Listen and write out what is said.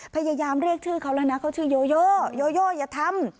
พยายามเรียกชื่อเขาแล้วนะเขาชื่อโยโยโยอย่าทำ